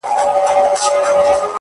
• چي پر مځكه انسانان وي دا به كېږي ,